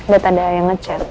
dan ada yang ngechat